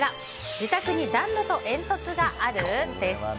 自宅に暖炉と煙突がある？です。